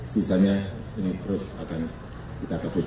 sisanya ini terus akan kita kebut